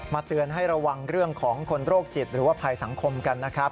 เตือนให้ระวังเรื่องของคนโรคจิตหรือว่าภัยสังคมกันนะครับ